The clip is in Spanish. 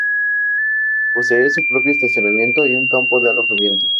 Posee su propio estacionamiento y un campo de alojamiento.